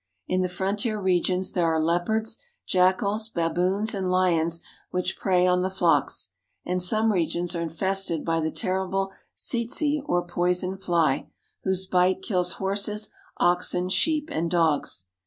In the frontier regional T there are leopards, jackals, baboons, and lions which prey I [■on the flocks; and some regions are infested by the ter I I rible tsetse or poison fly, whose bite kills horses, oxen, [ sheep, and dogs.